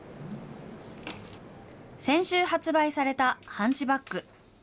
先週発売されたハンチバック。